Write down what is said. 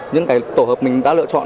những cái tổ hợp mình đã lựa chọn